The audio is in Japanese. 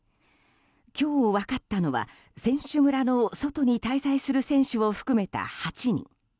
今日分かったのは、選手村の外に滞在する選手を含めた８人。